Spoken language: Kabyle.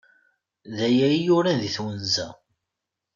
Daya i yuran di twenza.